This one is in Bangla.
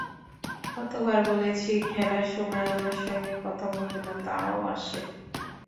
কতবার বলেছি, খেলার সময় আমার সঙ্গে কথা বলবে না, তাও আসে।